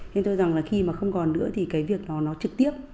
nên tôi rằng là khi mà không còn nữa thì cái việc đó nó trực tiếp